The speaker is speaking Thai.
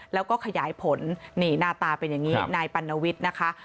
แล้วก็ขยายผลนี่หน้าตาเป็นอย่างนี้นายปัณวิทย์นะคะ